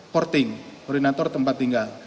porting koordinator tempat tinggal